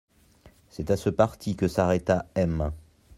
C'est à ce parti que s'arrêta M.